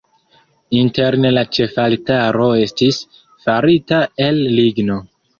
Interne la ĉefaltaro estis farita el ligno.